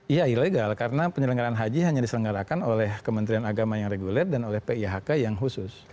iya ilegal karena penyelenggaran haji hanya diselenggarakan oleh kementerian agama yang reguler dan oleh pihk yang khusus